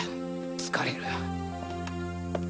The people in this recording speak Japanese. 疲れる。